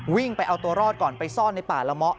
วิ่งไปเอาตัวรอดก่อนไปซ่อนในป่าละเมาะ